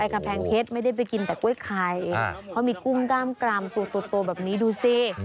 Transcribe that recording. กำแพงเพชรไม่ได้ไปกินแต่กล้วยไข่เพราะมีกุ้งกล้ามกรามตัวแบบนี้ดูสิ